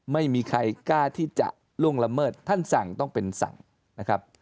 ไม่มีใครกล้าที่จะล่วงละเมิดท่านสั่งต้องเป็นสั่งนะครับ